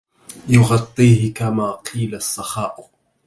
يُغَطّيهِ كَما قيلَ السَخاءُ